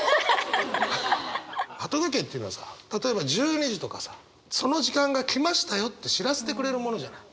鳩時計っていうのはさ例えば１２時とかさその時間が来ましたよって知らせてくれるものじゃない。